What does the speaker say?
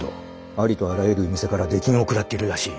ありとあらゆる店から出禁を食らっているらしい。